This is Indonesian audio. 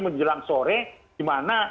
menjelang sore dimana